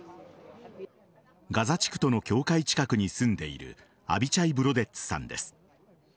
ガザ地区との境界近くに住んでいるアビチャイ・ブロデッツさんです。